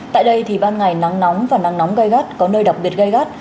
tại đây thì ban ngày nắng nóng và nắng nóng gai gắt có nơi đặc biệt gây gắt